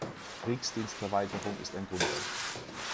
Kriegsdienstverweigerung ist ein Grundrecht.